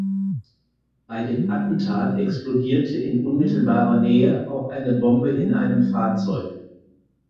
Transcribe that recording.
Bei dem Attentat explodierte in unmittelbarer Nähe auch eine Bombe in einem Fahrzeug.